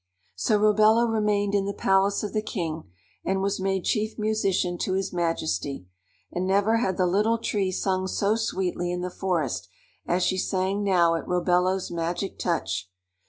So Robello remained in the palace of the king and was made chief musician to his majesty, and never had the Little Tree sung so sweetly in the forest as she sang now at Robello's magic touch.